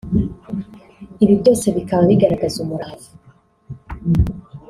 Ibi byose bikaba bigaragaza umurava